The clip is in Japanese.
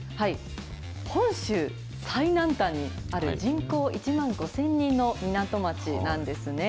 本州最南端にある人口１万５０００人の港町なんですね。